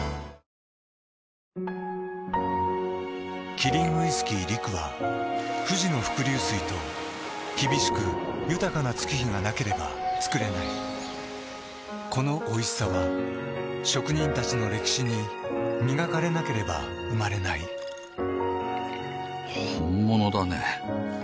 キリンウイスキー「陸」は富士の伏流水と厳しく豊かな月日がなければつくれないこのおいしさは職人たちの歴史に磨かれなければ生まれない本物だね。